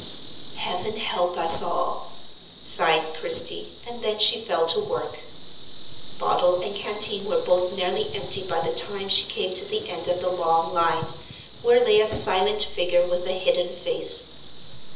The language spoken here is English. "Heaven help us all!" sighed Christie, and then she fell to work. Bottle and canteen were both nearly empty by the time she came to the end of the long line, where lay a silent figure with a hidden face.